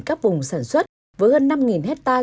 các vùng sản xuất với hơn năm hectare